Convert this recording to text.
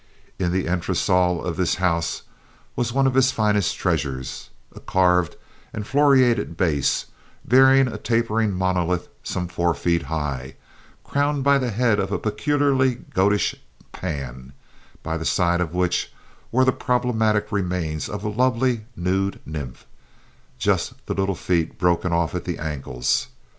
In the entresol of this house was one of his finest treasures—a carved and floriated base bearing a tapering monolith some four feet high, crowned by the head of a peculiarly goatish Pan, by the side of which were the problematic remains of a lovely nude nymph—just the little feet broken off at the ankles.